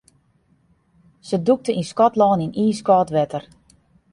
Se dûkte yn Skotlân yn iiskâld wetter.